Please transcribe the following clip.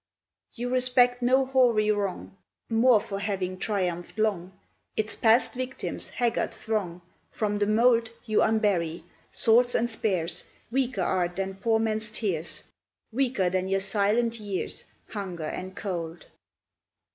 You respect no hoary wrong More for having triumphed long; Its past victims, haggard throng, From the mould You unbury: swords and spears Weaker are than poor men's tears, Weaker than your silent years, Hunger and Cold!